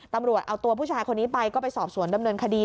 ตำรวจเอาตัวผู้ชายคนนี้ไปก็ไปสอบสวนดำเนินคดี